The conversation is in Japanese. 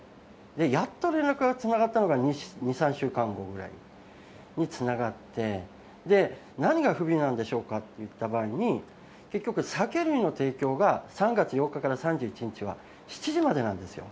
やっと連絡がつながったのが２、３週間後ぐらいにつながって、何が不備なんでしょうかって言った場合に、結局、酒類の提供が３月８日から３１日は７時までなんですよ。